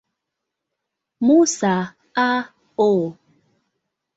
Musa, A. O.